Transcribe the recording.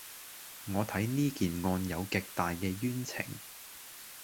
我睇呢件案有極大嘅冤情